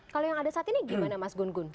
kalau yang ada saat ini gimana mas gun gun